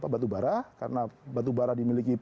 batubara karena batubara dimiliki